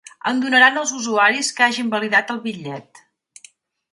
En donaran als usuaris que hagin validat el bitllet.